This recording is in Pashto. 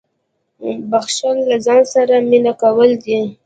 • بښل له ځان سره مینه کول دي.